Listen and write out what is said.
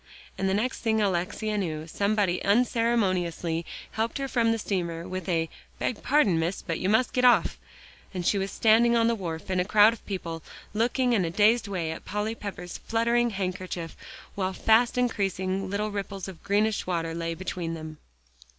And the next thing Alexia knew somebody unceremoniously helped her from the steamer with a "Beg pardon, Miss, but you must get off," and she was standing on the wharf in a crowd of people, looking in a dazed way at Polly Pepper's fluttering handkerchief, while fast increasing little ripples of greenish water lay between them.